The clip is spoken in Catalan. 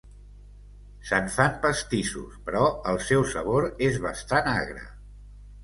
Se'n fan pastissos però el seu sabor és bastant agre.